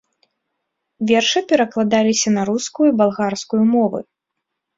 Вершы перакладаліся на рускую і балгарскую мовы.